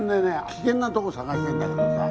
危険なとこ探してんだけどさ